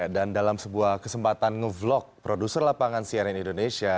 dan dalam sebuah kesempatan nge vlog produser lapangan siaran indonesia